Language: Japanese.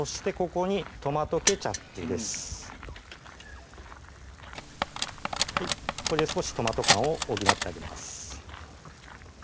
これで少しトマト感を補ってあげます